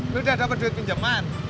lu udah dapet duit pinjeman